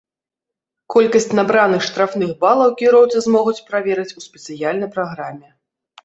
Колькасць набраных штрафных балаў кіроўцы змогуць праверыць у спецыяльнай праграме.